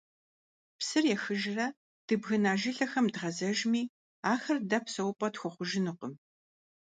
Псыр ехыжрэ, дыбгына жылэхэм дгъэзэжми, ахэр дэ псэупӀэ тхуэхъужынукъым.